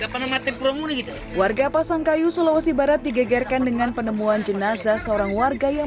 hai warga pasang kayu sulawesi barat digegerkan dengan penemuan jenazah seorang warga yang